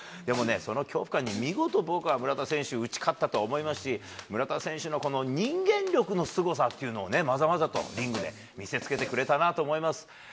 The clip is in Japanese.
でもね、その恐怖感に見事、僕は村田選手、打ち勝ったと思いますし、村田選手のこの人間力のすごさというのをまざまざとリングで見せつけてくれたなと思います。